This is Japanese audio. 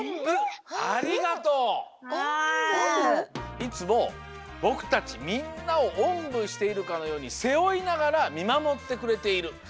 いつもぼくたちみんなをおんぶしているかのようにせおいながらみまもってくれている。